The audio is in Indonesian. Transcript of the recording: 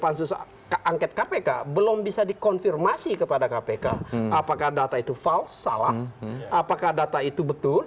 pansus angket kpk belum bisa dikonfirmasi kepada kpk apakah data itu fals salah apakah data itu betul